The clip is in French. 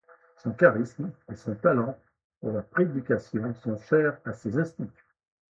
Son charisme et son talent pour la prédication sont chers à ces instituts.